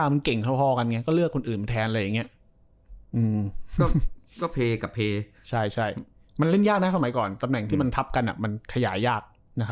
มันเล่นยากนะสมัยก่อนตำแหน่งที่มันทับกันมันขยายาก